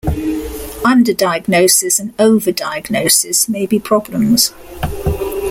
Underdiagnosis and overdiagnosis may be problems.